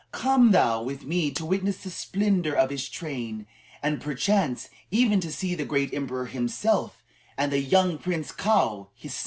Come thou with me to witness the splendor of his train, and perchance even to see the great emperor himself and the young Prince Kaou, his son."